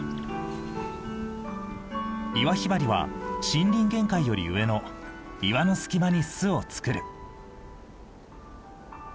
イワヒバリは森林限界より上の岩の隙間に巣を作る。